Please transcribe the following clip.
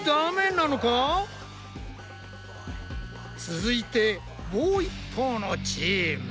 続いてもう一方のチーム。